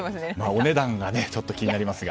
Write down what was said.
お値段がちょっと気になりますが。